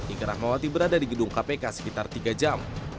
ika rahmawati berada di gedung kpk sekitar tiga jam